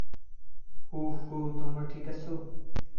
হুহ, হুহ তোমরা ঠিক আছো?